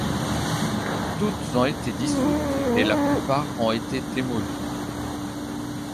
Toutes ont été dissoutes, et la plupart ont été démolies.